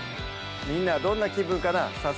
みんなはどんな気分かなぁ